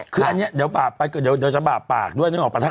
คืออันนี้เดี๋ยวจะบาปปากด้วย